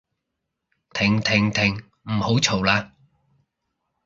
停停停唔好嘈喇